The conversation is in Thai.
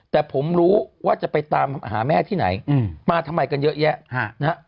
แต่ผมรู้ว่าจะไปตามหาแม่ที่ไหนมาทำไมกันเยอะแยะนะฮะ